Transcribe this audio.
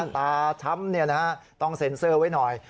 ตาช้ำเนี่ยนะฮะต้องเซ็นเซอร์ไว้หน่อย